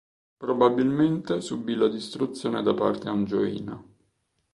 Probabilmente subì la distruzione da parte angioina.